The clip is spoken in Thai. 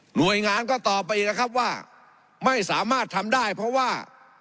หน่วยงานก็ตอบไปอีกนะครับว่าไม่สามารถทำได้เพราะว่า